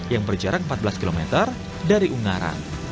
yang berjarak empat belas km dari ungaran